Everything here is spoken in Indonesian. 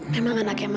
memang anaknya mama